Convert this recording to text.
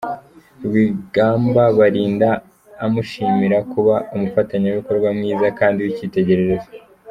Rwigamba Balinda, amushimira kuba umufatanyabikorwa mwiza kandi w’icyitegererezo.